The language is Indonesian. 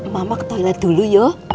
mama ke toilet dulu yuk